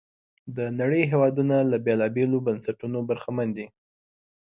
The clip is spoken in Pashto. د نړۍ هېوادونه له بېلابېلو بنسټونو برخمن دي.